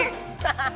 ハハハ！